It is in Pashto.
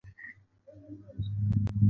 چې څوک د بل چا د ګناه کسات.